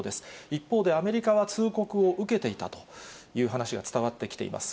一方で、アメリカは通告を受けていたという話が伝わってきています。